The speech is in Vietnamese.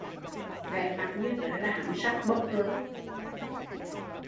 Vẻ mặt như rứa là hắn sắp bốc rồi